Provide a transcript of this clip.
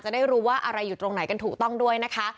ได้รู้ว่าอะไรอยู่ตรงไหนกันถูกต้องด้วยนะคะ